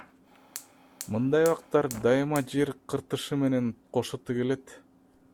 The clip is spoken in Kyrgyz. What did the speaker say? Мындай бактар дайыма жер кыртышы менен кошо тигилет.